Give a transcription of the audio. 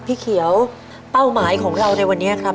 พี่เขียวเป้าหมายของเราในวันนี้ครับ